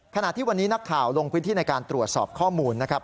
ขณะที่วันนี้นักข่าวลงพื้นที่ในการตรวจสอบข้อมูลนะครับ